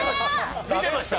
見てましたよ。